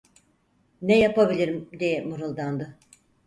"Ne yapabilirim?" diye mırıldandı.